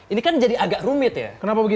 ini kan jadi agak rumit ya